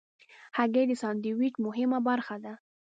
هګۍ د سندویچ مهمه برخه ده.